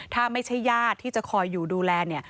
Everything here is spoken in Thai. ถ้าไม่ใช่ญาติที่จะคอยอยู่ดูแลเนี่ย